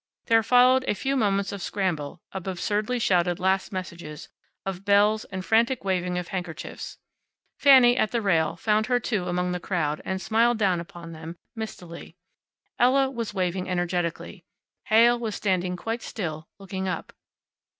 There followed a few moments of scramble, of absurdly shouted last messages, of bells, and frantic waving of handkerchiefs. Fanny, at the rail, found her two among the crowd, and smiled down upon them, mistily. Ella was waving energetically. Heyl was standing quite still, looking up.